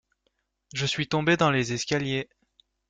Je suis tombé dans les escaliers.